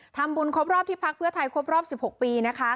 ทำบุญครอบรอบที่พรรคเพื่อไทยครอบรอบสิบหกปีนะคะ